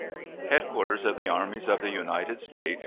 HEADQUARTERS OF THE ARMIES OF THE UNITED STATES.